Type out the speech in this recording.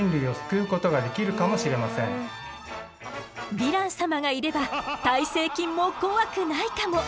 ヴィラン様がいれば耐性菌も怖くないかも。